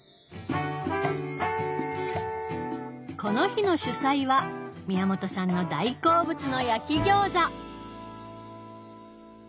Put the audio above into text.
この日の主菜は宮本さんの大好物の焼き餃子。